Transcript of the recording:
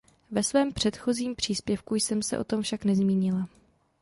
Ve svém předchozím příspěvku jsem se o tom však nezmínila.